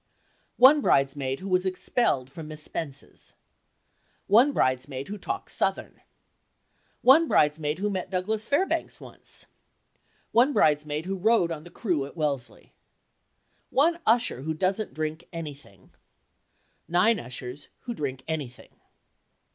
1 bridesmaid who was expelled from Miss Spence's. 1 bridesmaid who talks "Southern." 1 bridesmaid who met Douglas Fairbanks once. 1 bridesmaid who rowed on the crew at Wellesley. 1 usher who doesn't drink anything. 9 ushers who drink anything.